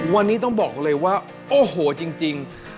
วันนี้ต้องบอกเลยว่าโอ้โหจริง